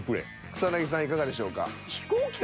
草さんいかがでしょうか？